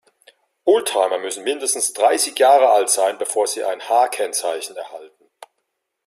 Oldtimer müssen mindestens dreißig Jahre alt sein, bevor sie ein H-Kennzeichen erhalten.